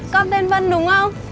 con tên vân đúng không